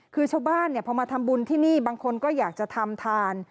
คือชาวบ้านพอมาทำบุญที่นี่บางคนก็อยากจะทำทาน